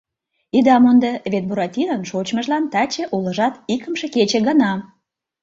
Ида мондо, вет Буратинон шочмыжлан таче улыжат икымше кече гына.